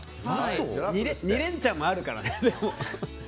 ２連ちゃんもあるからね。